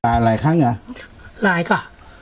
ลายหลายครั้งอะลายก่ะ